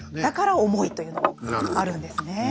だから重いというのもあるんですね。